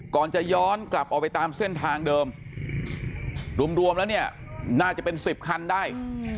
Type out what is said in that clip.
ก่อนจะย้อนกลับออกไปตามเส้นทางเดิมรวมแล้วเนี่ยน่าจะเป็น๑๐คันได้